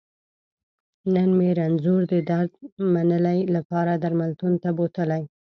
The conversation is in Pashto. نن مې رنځور د درمنلې لپاره درملتون ته بوتلی